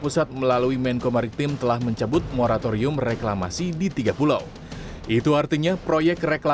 pusat melalui menko maritim telah mencabut moratorium reklamasi di tiga pulau itu artinya proyek reklamasi